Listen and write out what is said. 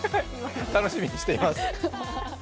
楽しみにしています。